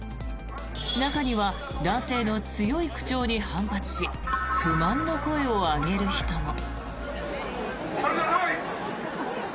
中には男性の強い口調に反発し不満の声を上げる人も。